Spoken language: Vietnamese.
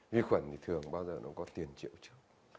vi khuẩn thì thường bao giờ nó có tiền triệu chứng